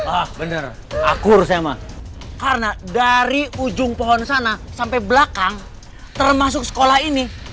ah bener aku harusnya mah karena dari ujung pohon sana sampai belakang termasuk sekolah ini